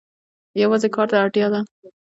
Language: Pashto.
یوازې کار ته اړتیا ده.